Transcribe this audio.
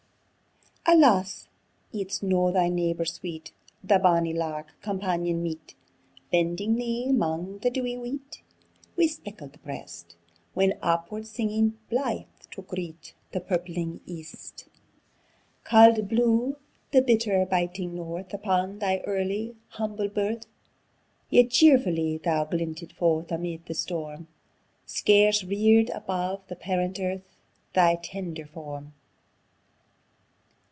Alas! it's no thy neibor sweet, The bonie lark, companion meet, Bending thee 'mang the dewy weet, Wi' spreckl'd breast! When upward springing, blythe, to greet The purpling east. Cauld blew the bitter biting north Upon thy early, humble birth; Yet cheerfully thou glinted forth Amid the storm, Scarce rear'd above the parent earth Thy tender form.